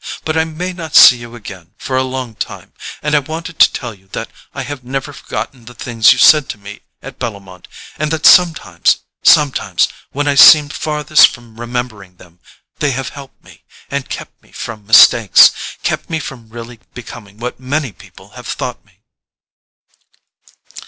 "But I may not see you again for a long time, and I wanted to tell you that I have never forgotten the things you said to me at Bellomont, and that sometimes—sometimes when I seemed farthest from remembering them—they have helped me, and kept me from mistakes; kept me from really becoming what many people have thought me."